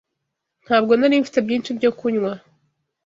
Ntabwo nari mfite byinshi byo kunywa.